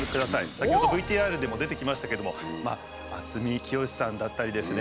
先ほどＶＴＲでも出てきましたけども渥美清さんだったりですね